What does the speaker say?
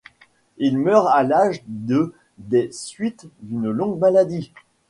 Il meurt à l'âge de des suites d'une longue maladie.